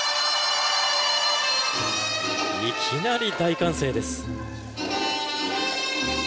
いきなり大歓声です。